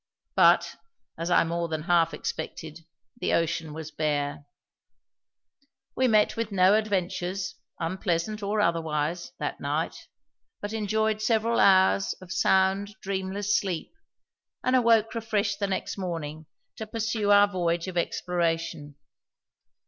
But, as I more than half expected, the ocean was bare. We met with no adventures, unpleasant or otherwise, that night, but enjoyed several hours of sound, dreamless sleep, and awoke refreshed the next morning to pursue our voyage of exploration.